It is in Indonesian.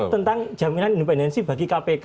tentang jaminan independensi bagi kpk